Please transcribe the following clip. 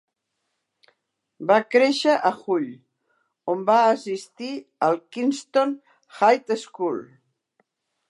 Va créixer a Hull, on va assistir al Kingston High School.